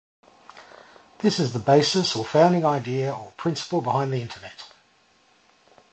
This is the basis or founding idea or principal behind the internet.